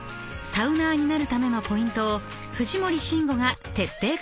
サウナーになるためのポイントを藤森慎吾が徹底解説します］